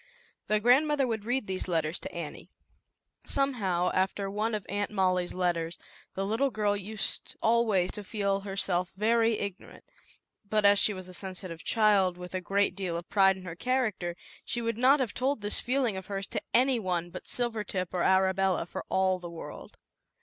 The grandmother would read these letters to Annie. Somehow, after one of Aunt Molly's letters, the little girl used always to feel herself very ignorant, but as she was a sensitive child with a great deal of pride in her character, she would not have told this feeling of hers to any one but Silvertip or Arabella for the world.